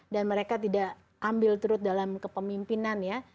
dan mereka tidak ambil turut dalam kepemimpinan ya